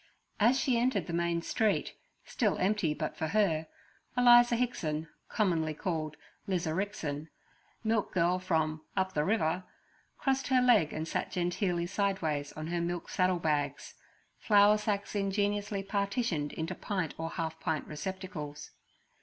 As she entered the main street, still empty but for her, Eliza Hickson, commonly called 'Lizarixin' milk girl from 'up the river' crossed her leg and sat genteely sideways on her milk saddle bags—flour sacks ingeniously partitioned into pint or half pint receptacles.